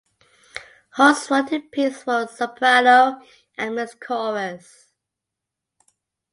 Holst wrote the piece for soprano and mixed chorus.